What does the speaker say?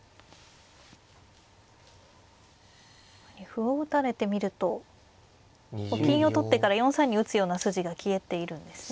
歩を打たれてみると金を取ってから４三に打つような筋が消えているんですね。